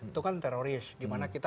itu kan teroris di mana kita